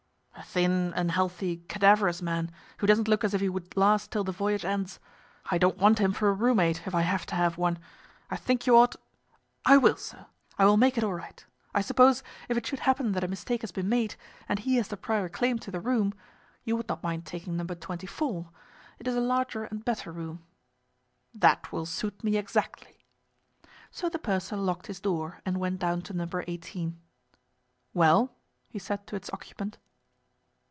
"A thin, unhealthy, cadaverous man, who doesn't look as if he would last till the voyage ends. I don't want him for a room mate, if I have to have one. I think you ought—" "I will, sir. I will make it all right. I suppose, if it should happen that a mistake has been made, and he has the prior claim to the room, you would not mind taking No. 24—it is a larger and better room." "That will suit me exactly." So the purser locked his door and went down to No. 18. "Well?" he said to its occupant.